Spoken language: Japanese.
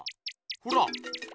ほら。